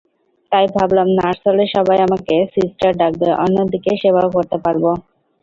তাই ভাবলাম নার্স হলে সবাই আমাকে সিস্টার ডাকবে, অন্যদিকে সেবাও করতে পারব।